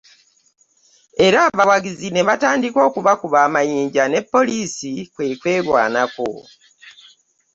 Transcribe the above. Era abawagizi ne batandika okubakuba amayinja ne poliisi kwe kwerwanako.